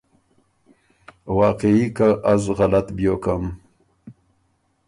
واقعي که از غلط بیوکم۔